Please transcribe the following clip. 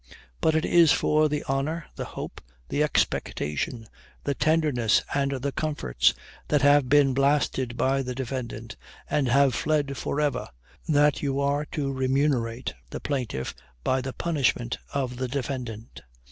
But it is for the honor, the hope, the expectation, the tenderness, and the comforts that have been blasted by the defendant, and have fled forever, that you are to remunerate the plaintiff by the punishment of the defendant.